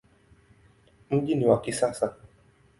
Mji ni wa kisasa.